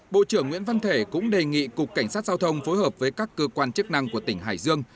bộ trưởng nguyễn văn thể cũng đề nghị cục cảnh sát giao thông phối hợp với các cơ quan chức năng của tỉnh hải dương